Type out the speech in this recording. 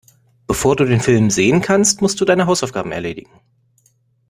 Bevor du den Film sehen kannst, musst du deine Hausaufgaben erledigen.